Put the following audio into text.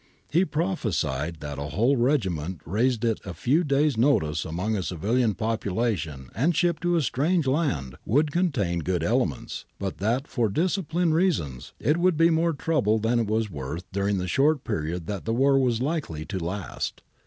He prophesied that a whole regiment raised at a few days' notice among a civilian population and shipped to a strange land would contain good elements, but that, for disciplinary reasons, it would be more trouble than it was worth during the short period that the war was likely to last.